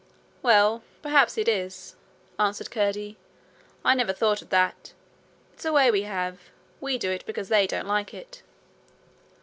'Well, perhaps it is,' answered Curdie. 'I never thought of that; it's a way we have. We do it because they don't like it.'